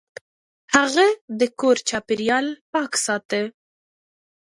هغه د کور چاپیریال پاک ساته.